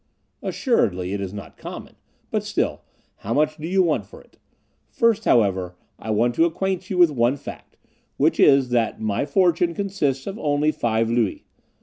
"Assuredly it is not common; but, still, how much do you want for it? First, however, I want to acquaint you with one fact, which is, that my fortune consists of only five louis.